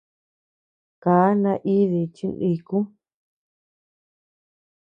Kaa naidi chi niku.